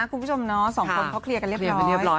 คุณผู้ชมเนาะสองคนเขาเคลียร์กันเรียบร้อย